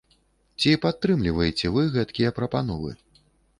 Ці падтрымліваеце вы гэткія прапановы?